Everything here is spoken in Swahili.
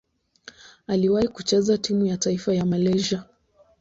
Aliwahi kucheza timu ya taifa ya Malaysia.